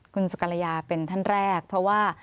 คุณสุกรยาเป็นท่านแรกเพราะว่า